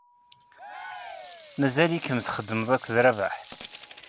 Mazal-ikem txeddmeḍ akked Rabaḥ?